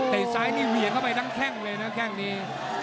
ซ้ายนี่เหวี่ยงเข้าไปทั้งแข้งเลยนะแข้งนี้